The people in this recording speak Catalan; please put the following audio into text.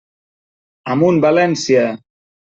Amunt València!